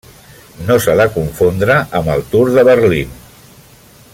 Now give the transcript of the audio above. No s'ha de confondre amb el Tour de Berlín.